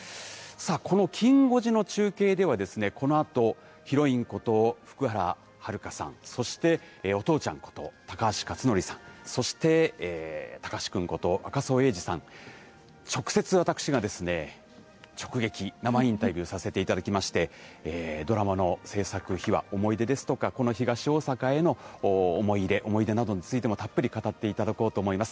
このきん５時の中継では、このあと、ヒロインこと福原遥さん、そしてお父ちゃんこと高橋克典さん、そして貴司君こと、赤楚衛二さん、直接、私が直撃、生インタビューさせていただきまして、ドラマの制作秘話、思い出ですとか、この東大阪への思い入れ、思い出などについてもたっぷり語っていただこうと思います。